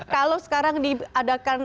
kalau sekarang diadakan